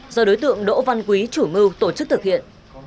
do đối tượng đỗ văn quý chủ mưu tổ chức thực hiện